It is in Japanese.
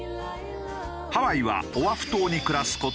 ハワイはオアフ島に暮らす事